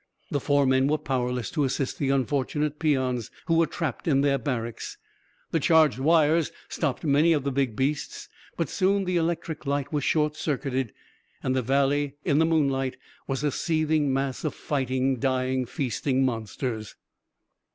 The four men were powerless to assist the unfortunate peons, who were trapped in their barracks. The charged wires stopped many of the big beasts, but soon the electric light was short circuited, and the valley, in the moonlight, was a seething mass of fighting, dying, feasting monsters.